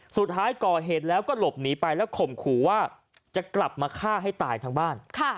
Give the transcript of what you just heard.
สุดท้ายก่อเหตุแล้วก็หลบหนีไปแล้วข่มขู่ว่าจะกลับมาฆ่าให้ตายทั้งบ้าน